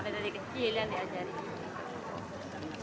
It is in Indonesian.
dari kecil yang diajarin